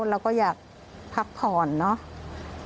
เราก็อยากพักผ่อนเนาะ